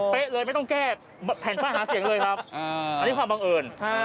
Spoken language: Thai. เลยไม่ต้องแก้แผ่นป้ายหาเสียงเลยครับอันนี้ความบังเอิญ